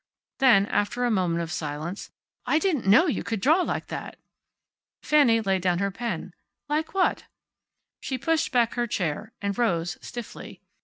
Then, after another moment of silence, "I didn't know you could draw like that." Fanny laid down her pen. "Like what?" She pushed back her chair, and rose, stiffly.